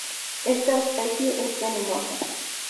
Esta especie es venenosa.